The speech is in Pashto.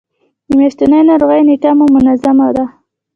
د میاشتنۍ ناروغۍ نیټه مو منظمه ده؟